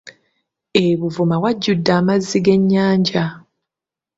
E Buvuma wajjudde amazzi g’ennyanja.